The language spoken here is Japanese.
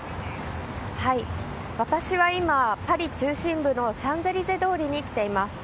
私は今、パリ中心部のシャンゼリゼ通りに来ています。